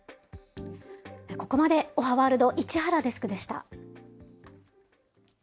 ここまで、おはワールド、市原デスクでした。